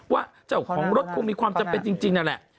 ว่าเจ้าของรถคงมีความจำเป็นจริงนั่นแหละ